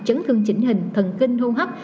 chấn thương chỉnh hình thần kinh hô hấp